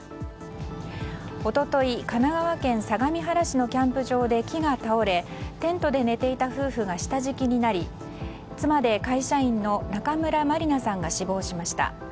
一昨日、神奈川県相模原市のキャンプ場で木が倒れ、テントで寝ていた夫婦が下敷きになり妻で会社員の中村まりなさんが死亡しました。